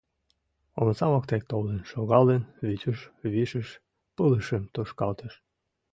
Омса воктек толын шогалын, Витюш вишыш пылышым тушкалтыш.